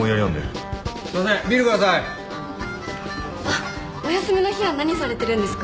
あっお休みの日は何されてるんですか？